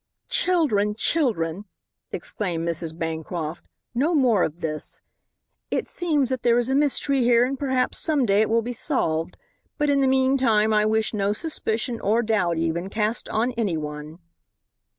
"Children! Children!" exclaimed Mrs. Bancroft, "no more of this. It seems that there is a mystery here, and perhaps some day it will be solved. But in the meantime I wish no suspicion, or doubt even, cast on any one."